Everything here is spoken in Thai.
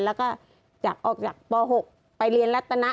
แล้วก็จากออกจากป๖ไปเรียนรัตนะ